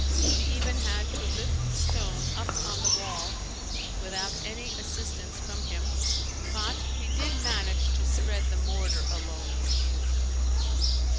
She even had to lift the stone up on the wall without any assistance from him, but he did manage to spread the mortar alone.